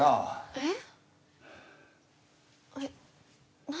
えっ？